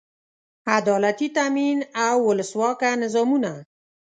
عدالتي تامین او اولسواکه نظامونه.